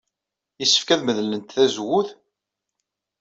Yessefk ad medlent tazewwut?